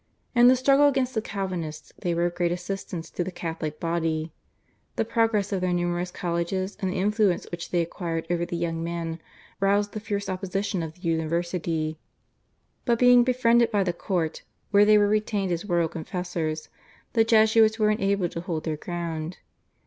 In the struggle against the Calvinists they were of great assistance to the Catholic body. The progress of their numerous colleges and the influence which they acquired over the young men roused the fierce opposition of the University, but being befriended by the court, where they were retained as royal confessors, the Jesuits were enabled to hold their ground.